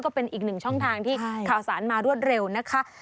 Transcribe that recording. ก็เป็นอีกหนึ่งช่องทางที่ข่าวสารมารวดเร็วนะคะ